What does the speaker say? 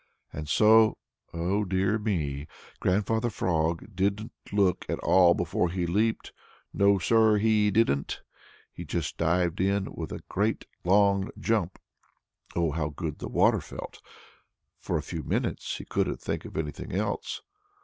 And so oh, dear me! Grandfather Frog didn't look at all before he leaped. No, Sir, he didn't! He just dived in with a great long jump. Oh, how good that water felt! For a few minutes he couldn't think of anything else.